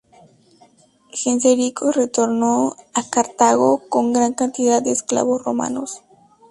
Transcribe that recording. Genserico retornó a Cartago con gran cantidad de esclavos romanos.